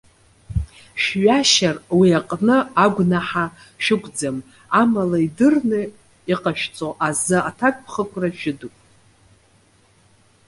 Шәҩашьар, уи аҟны агәнаҳа шәықәӡам, амала идырны иҟашәҵо азы аҭакԥхықәра шәыдуп.